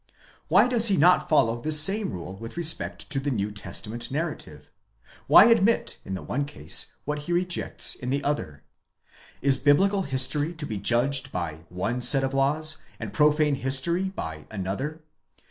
Why does he not follow the same rule with respect to the New Testament narrative? Why admitin the one case what he rejects in the other? 15 biblical history to be judged by one set of laws, and profane history by another?